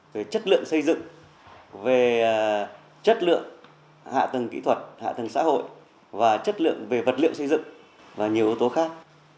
về chất lượng xây dựng về chất lượng hạ tầng kỹ thuật hạ tầng xã hội và chất lượng về vật liệu xây dựng và nhiều ưu tố khác